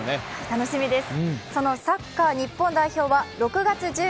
楽しみです。